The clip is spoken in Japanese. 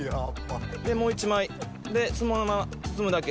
でもう１枚そのまま包むだけ。